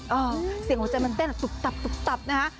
เสียงหัวใจมันเต้นอะตุบตับนะฮะ